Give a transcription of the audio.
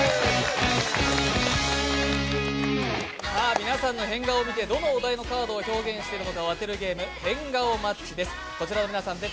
皆さんの変顔を見てどのお題のカードを表現しているか当てるゲーム、「変顔マッチ」です。